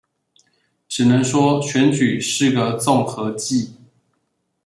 只能說選舉是個綜合技